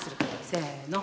せの！